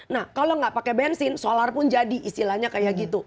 nah kalau nggak pakai bensin solar pun jadi istilahnya kayak gitu